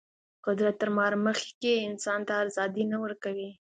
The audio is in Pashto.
قدرت تر مهار مخکې انسان ته ازادي نه ورکوي.